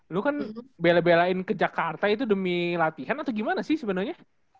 lu kan bela belain ke jakarta itu demi latihan atau gimana sih sebenarnya